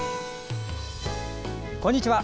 こんにちは。